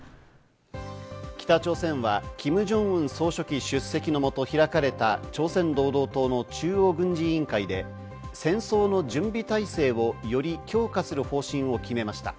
北朝鮮はキム・ジョンウン総書記出席のもと開かれた、朝鮮労働党の中央軍事委員会で、戦争の準備態勢をより強化する方針を決めました。